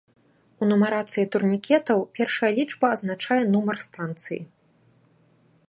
У нумарацыі турнікетаў першая лічба азначае нумар станцыі.